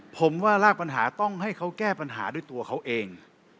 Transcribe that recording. ผมว่ารากปัญหาต้องให้เขาแก้ปัญหาด้วยตัวเขาเอง